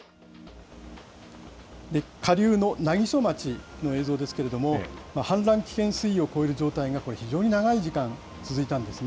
下流の南木曽町の映像ですけれども、氾濫危険水位を超える状態が、これ、非常に長い時間続いたんですね。